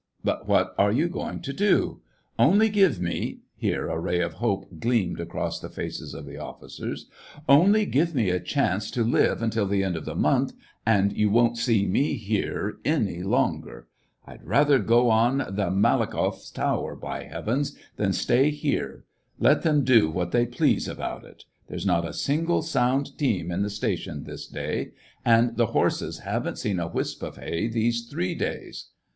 But what are you going to do } Only give me" — here a ray of hope gleamed across the faces of the officers —" only give me a chance to live until the end of the month, and you won't see me here any longer. I'd rather go on *" My good sir," a familiarly respectful mode of address. SEVASTOPOL IN AUGUST. 135 the Malakhoff tower, by Heavens ! than stay here. Let them do what they please about it ! There's not a single sound team in the station this day, and the horses haven't seen a wisp of hay these three days."